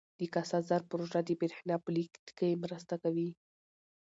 د کاسا زر پروژه د برښنا په لیږد کې مرسته کوي.